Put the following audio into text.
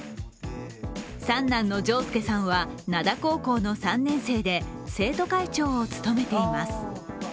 三男の晟輔さんは灘高校の３年生で生徒会長を務めています。